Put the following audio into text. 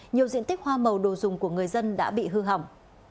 nhiều diện tích hoa màu đồ dùng của người dân đã bị hư hỏng